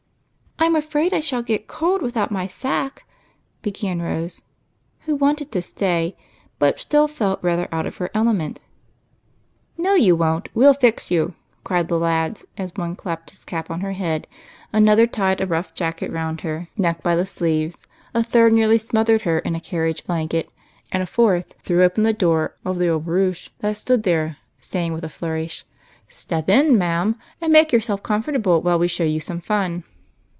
"I'm afraid I shall got ccld vithout my sacque," began Rose, who wanted to s ay, but felt rather out of her element. " No, you won't ! We '11 fix you," cried the lads, as one clapped his cap on her head, another tied a rough jacket round her neck by the sleeves, a third nearly smothered her in a carriage blanket, and a fourth threw open the door of the old barouche that stood there, saying with a flourish, —" Step in, ma'am, and make yourself comfortable while we show you some fun."